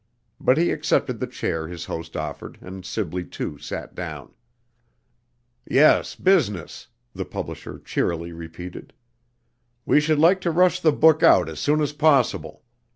But he accepted the chair his host offered, and Sibley too sat down. "Yes, business," the publisher cheerily repeated. "We should like to rush the book out as soon as possible.